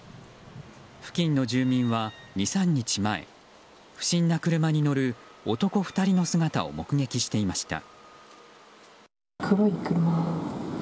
付近の住民は２３日前不審な車に乗る男２人の姿を目撃していました。